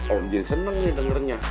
om gini seneng nih dengernya